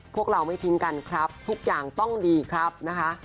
พวกเราไม่ทิ้งกันครับทุกอย่างต้องดีครับนะคะ